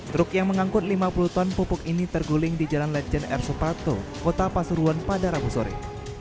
truk yang mengangkut lima puluh ton pupuk ini terguling di jalan lejen r suparto kota pasuruan pada rabu sore